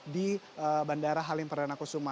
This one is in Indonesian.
di bandara halim perdana kusuma